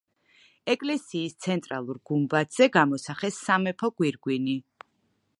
ეკლესიის ცენტრალურ გუმბათზე გამოსახეს სამეფო გვირგვინი.